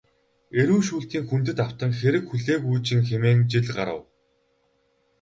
Эрүү шүүлтийн хүндэд автан хэрэг хүлээгүүжин хэмээн жил харав.